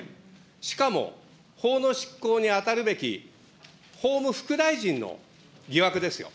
しかも法の執行に当たるべき法務副大臣の疑惑ですよ。